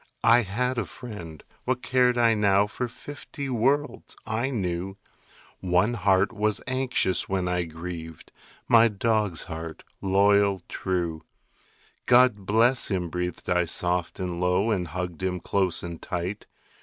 I had a friend; what cared I now For fifty worlds? I knew One heart was anxious when I grieved My dog's heart, loyal, true. "God bless him," breathed I soft and low, And hugged him close and tight.